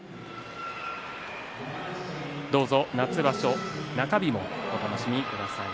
どうぞ夏場所中日もお楽しみください。